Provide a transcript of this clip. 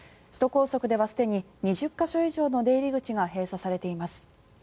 首都高速ではすでに２０か所以上の出入り口が閉鎖されています。